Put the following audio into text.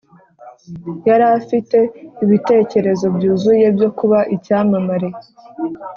yari afite ibitekerezo byuzuye byo kuba icyamamare,